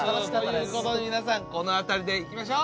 ということで皆さんこの辺りでいきましょう！